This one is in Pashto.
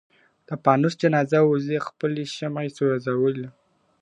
د پانوس جنازه وزي خپلي شمعي سوځولی !.